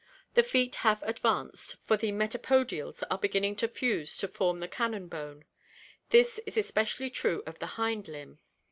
The feet have advanced, for the mctapodiaU are beginning to fuse to form the cannon bone. This is especially true of the hind limb.